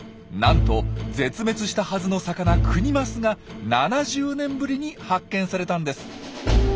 なんと絶滅したはずの魚クニマスが７０年ぶりに発見されたんです。